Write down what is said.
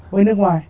với nước ngoài